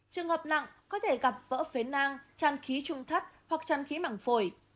trường hợp nặng có thể gặp vỡ phế năng tràn khí trung thất hoặc tràn khí mảng phổi